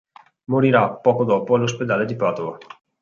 Morirà poco dopo all'Ospedale di Padova.